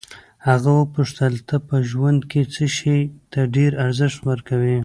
هغه وپوښتل ته په ژوند کې څه شي ته ډېر ارزښت ورکوې.